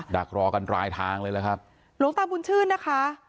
ดักรอกันรายทางเลยล่ะครับหลวงตาบุญชื่นนะคะ